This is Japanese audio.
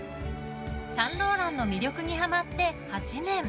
サンローランの魅力にハマって８年。